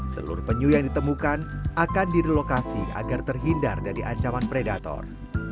telur penyu yang ditemukan akan direlokasi agar terhindar dari ancaman predator